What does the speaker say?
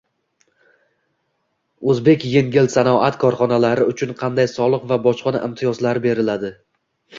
“O’zbekengilsanoat” korxonalari uchun qanday soliq va bojxona imtiyozlari beriladi?